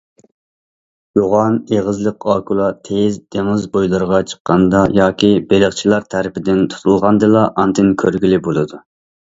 يوغان ئېغىزلىق ئاكۇلا تېيىز دېڭىز بويلىرىغا چىققاندا ياكى بېلىقچىلار تەرىپىدىن تۇتۇلغاندىلا ئاندىن كۆرگىلى بولىدۇ.